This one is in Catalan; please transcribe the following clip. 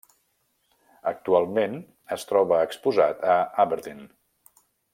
Actualment es troba exposat a Aberdeen.